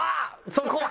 そこ。